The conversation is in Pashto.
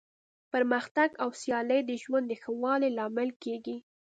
پرمختګ او سیالي د ژوند د ښه والي لامل کیږي.